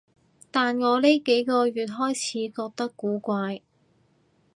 但我呢幾個月開始覺得古怪